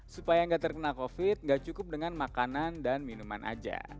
supaya nggak terkena covid nggak cukup dengan makanan dan minuman aja